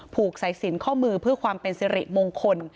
ผูกสายสินข้อมือเพื่อความเป็นสิริมงคล